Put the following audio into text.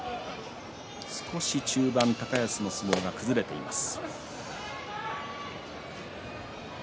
少し中盤、高安の相撲が崩れています。